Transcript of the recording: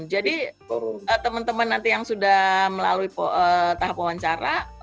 jadi teman teman nanti yang sudah melalui tahap wawancara